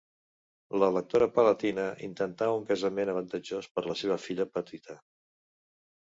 L'electora palatina intentà un casament avantatjós per la seva filla petita.